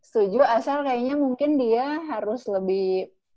setuju asal kayaknya mungkin dia harus lebih